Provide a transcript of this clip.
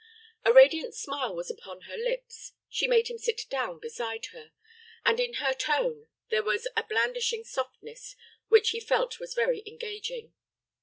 A radiant smile was upon her lips; she made him sit down beside her, and in her tone there was a blandishing softness, which he felt was very engaging.